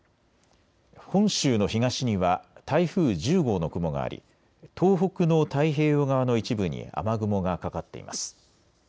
本州の東には台風１０号の雲があり、東北の太平洋側の一部に雨雲がかかっています。